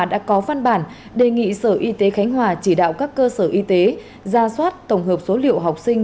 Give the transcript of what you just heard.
đã có văn bản đề nghị sở y tế khánh hòa chỉ đạo các cơ sở y tế ra soát tổng hợp số liệu học sinh